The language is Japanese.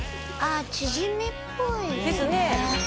あチヂミっぽいですね